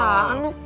eh biasaan lu